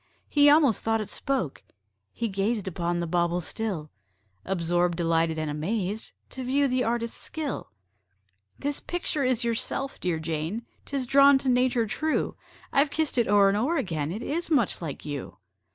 He almost thought it spoke: he gazed Upon the bauble still, Absorbed, delighted, and amazed, To view the artist's skill. "This picture is yourself, dear Jane 'Tis drawn to nature true: I've kissed it o'er and o'er again, It is much like you."